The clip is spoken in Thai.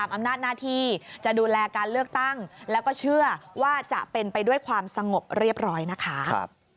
เขต๕ที่จังหวัดนครปะทมเนี่ยนะคะ